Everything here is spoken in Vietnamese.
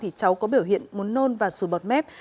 thì cháu có biểu hiện muốn nôn và sùi bọt mép